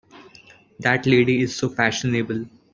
That lady is so fashionable!